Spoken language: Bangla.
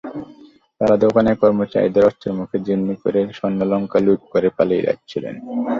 তাঁরা দোকানের কর্মচারীদের অস্ত্রের মুখে জিম্মি করে স্বর্ণালংকার লুট করে পালিয়ে যাচ্ছিলেন।